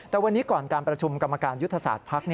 แต่วันนี้ก่อนการประชุมกรรมการยุทธศาสตร์ภักดิ์